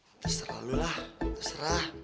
terserah lu lah terserah